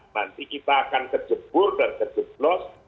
nanti kita akan kejebur dan kejeblos